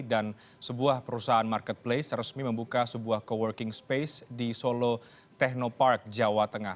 dan sebuah perusahaan marketplace resmi membuka sebuah co working space di solo techno park jawa tengah